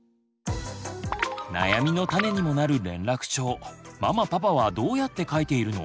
悩みの種にもなる連絡帳ママパパはどうやって書いているの？